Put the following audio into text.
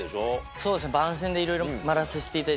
そうですね。